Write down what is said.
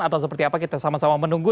atau seperti apa kita sama sama menunggu